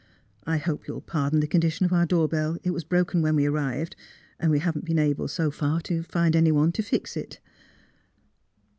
I hope you'll par don the condition of our door bell. It was broken when we arrived, and we haven't been able, so far, to find anyone to fix it."